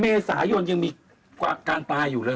เมษายนตร์ยังมีการปลายอยู่หรือ